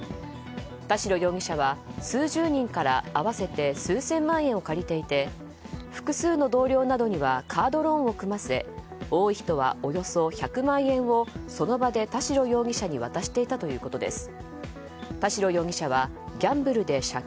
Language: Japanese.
田代容疑者は数十人から合わせて数千万円を借りていて複数の同僚などにはカードローンを組ませ多い人はおよそ１００万円をその場で田代容疑者に渡していたということです。